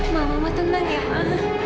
mama tenang ya mama